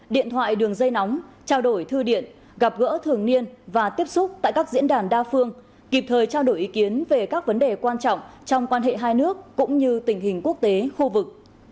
điện thoại đường dây nóng trao đổi thư điện gặp gỡ thường niên và tiếp xúc tại các diễn đàn đa phương kịp thời trao đổi ý kiến về các vấn đề quan trọng trong quan hệ hai nước cũng như tình hình quốc tế khu vực